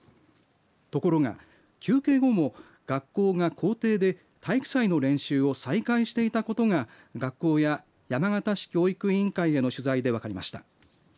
ところが、休憩後も学校が校庭で体育祭の練習を再開していたことが学校や山形市教育委員会への取材で分かりました。